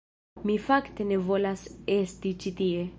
Mi fakte ne volas esti ĉi tie.